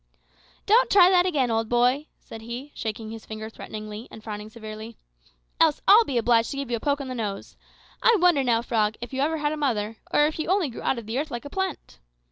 "Don't try that again, old boy," said he, shaking his finger threateningly and frowning severely, "else I'll be obliged to give you a poke in the nose. I wonder, now, Frog, if you ever had a mother, or if you only grew out of the earth like a plant.